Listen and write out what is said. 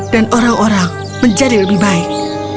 dan orang orang menjadi lebih baik